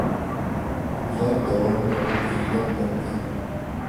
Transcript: ئۇلار داۋاملىق ئىلگىرىلەپ ماڭدى.